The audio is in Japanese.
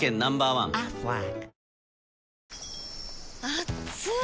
あっつい！